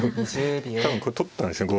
多分これ取ったんですね